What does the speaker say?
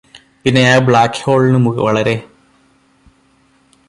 പിന്നെ ആ ബ്ലാക്ക്ഹോളിനു വളരെ